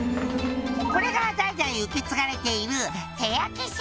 「これが代々受け継がれている」